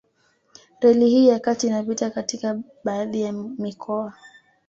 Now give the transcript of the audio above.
Reli hii ya kati inapita katika baadhi ya mikoa